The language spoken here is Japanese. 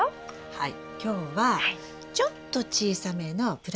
はい。